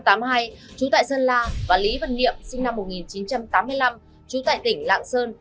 trú tại sơn la và lý vân niệm sinh năm một nghìn chín trăm tám mươi năm trú tại tỉnh lạng sơn